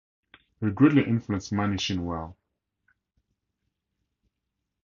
He greatly influenced Manny Shinwell.